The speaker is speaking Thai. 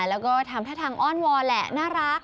แล้วก็ทำท่าทางอ้อนวอนแหละน่ารัก